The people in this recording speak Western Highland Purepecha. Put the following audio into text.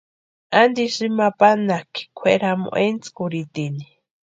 ¿Antisï imani panhakʼi kwʼeramu etskurhitini?